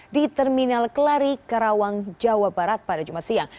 di terminal kelari karawang jawa barat pada jumat siang